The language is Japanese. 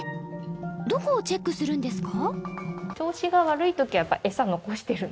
どこをチェックするんですか？